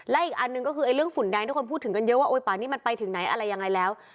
และอีกอันหนึ่งก็คือเรื่องฝุ่นแดงที่คนพูดถึงกันเยอะว่าโอ๊ยป่านี้มันไปถึงไหนอะไรยังไงแล้ว